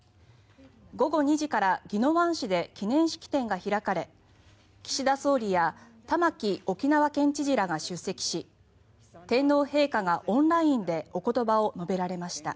午後２時から宜野湾市で記念式典が開かれ岸田総理や玉城沖縄県知事らが出席し天皇陛下がオンラインでお言葉を述べられました。